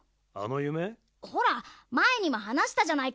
ほらまえにもはなしたじゃないか。